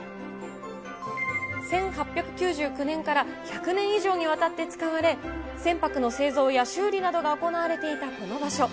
１８９９年から１００年以上にわたって使われ、船舶の製造や修理などが行われていたこの場所。